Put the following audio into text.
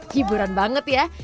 hiburan banget ya